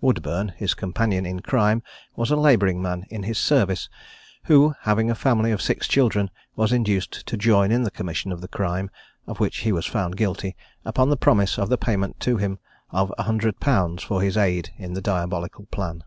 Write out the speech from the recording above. Woodburne, his companion in crime, was a labouring man in his service, who, having a family of six children, was induced to join in the commission of the crime, of which he was found guilty, upon the promise of the payment to him of 100_l._ for his aid in the diabolical plan.